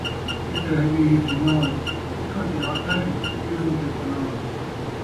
کتھ رہ ڳئی ہے سن٘ڄاݨ ، اٹھاں تے آتھر ہن ، گݙہواں تے پلاݨ